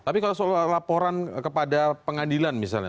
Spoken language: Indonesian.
tapi kalau soal laporan kepada pengadilan misalnya